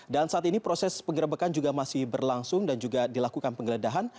dan saat ini proses pengerebekan juga masih berlangsung dan juga dilakukan penggeledahan